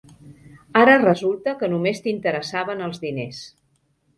Ara resulta que només t'interessaven els diners.